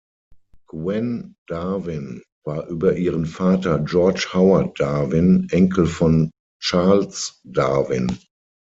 Gwen Darwin war über ihren Vater George Howard Darwin Enkel von Charles Darwin.